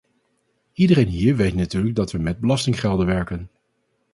Iedereen hier weet natuurlijk dat we met belastinggelden werken.